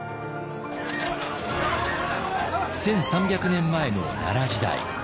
１，３００年前の奈良時代。